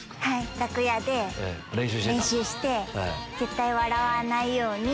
楽屋で練習して絶対笑わないように。